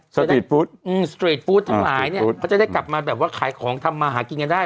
สตรีทฟู้ดอืมสตรีทฟู้ดทั้งหลายเนี่ยเขาจะได้กลับมาแบบว่าขายของทำมาหากินกันได้